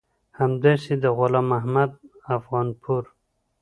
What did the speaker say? همداسې د غلام محمد افغانپور